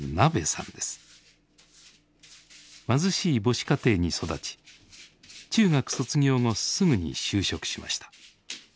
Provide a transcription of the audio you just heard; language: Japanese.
貧しい母子家庭に育ち中学卒業後すぐに就職しました。